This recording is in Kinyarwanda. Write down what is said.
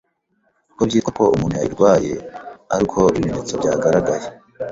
kuko byitwa ko umuntu yayirwaye ari uko ibimenyetso byagaragaye.